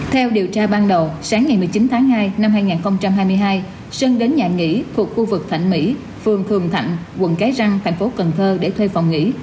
theo điều tra ban đầu sáng ngày một mươi chín tháng hai năm hai nghìn hai mươi hai sơn đến nhà nghỉ thuộc khu vực thạnh mỹ phường thường thạnh quận cái răng thành phố cần thơ để thuê phòng nghỉ